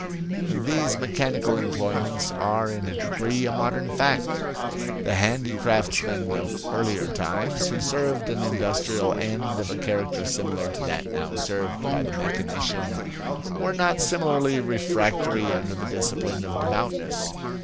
These mechanical employments are in a degree a modern fact. The handicraftsmen of earlier times, who served an industrial end of a character similar to that now served by the mechanician, were not similarly refractory under the discipline of devoutness.